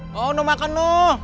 mau gak makan